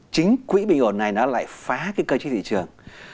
chính quỹ bình ổn này nó lại phá cái cơ chế thị trường